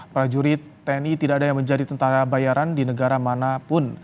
prajurit tni tidak ada yang menjadi tentara bayaran di negara manapun